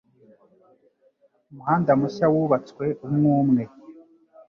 Umuhanda mushya wubatswe umwe umwe